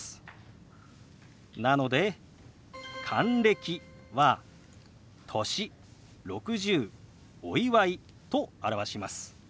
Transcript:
なので「還暦」は「歳」「６０」「お祝い」と表します。